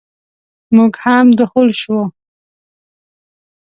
موږ هم دخول شوو.